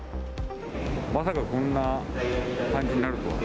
まさかこんな感じになるとは。